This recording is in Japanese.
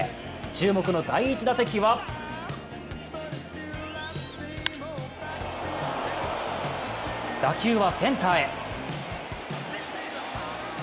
注目の第１打席は打球はセンターへ。